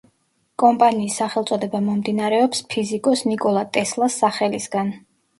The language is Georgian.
კომპანიის სახელწოდება მომდინარეობს ფიზიკოს ნიკოლო ტესლას სახელისგან.